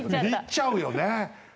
見入っちゃうよね。